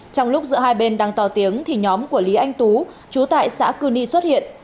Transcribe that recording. trong lúc giữa hai bên đang to tiếng thì nhóm của lý anh tú chú tại xã cư ni xuất hiện